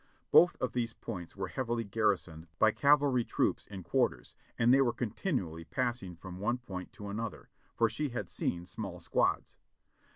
Both of these points were heavily garrisoned by cavalry troops in quarters, and they were continually passing from one point to another, for she had seen small squads.